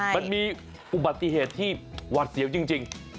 มันมีอุบัติเหตุที่หวาดเสียวจริง